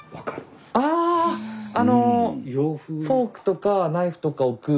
ああのフォークとかナイフとか置く。